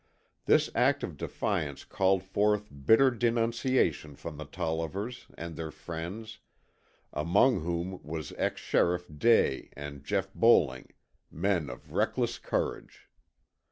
This act of defiance called forth bitter denunciation from the Tollivers and their friends, among whom was ex Sheriff Day and Jeff Bowling, men of reckless courage.